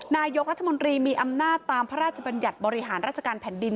นายกรัฐมนตรีมีอำนาจตามพระราชบัญญัติบริหารราชการแผ่นดิน